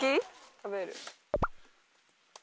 食べる。